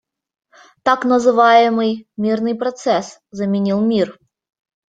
Так называемый «мирный процесс» заменил мир.